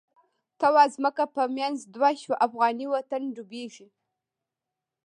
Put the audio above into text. ته وا ځمکه په منځ دوه شوه، افغانی وطن ډوبیږی